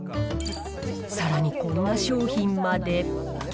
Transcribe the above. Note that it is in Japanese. さらにこんな商品まで。